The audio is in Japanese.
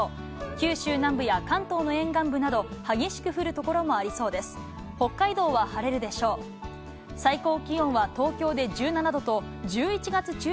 九州南部や関東の沿岸部など、激しく降る所もありそうです。